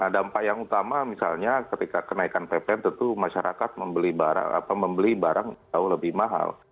dampak yang utama misalnya ketika kenaikan ppn tentu masyarakat membeli barang jauh lebih mahal